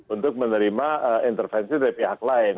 untuk menerima intervensi dari pihak lain